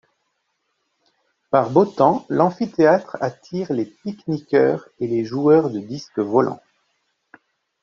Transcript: Par beau temps, l'amphithéâtre attire les pique-niqueurs et les joueurs de disque volant.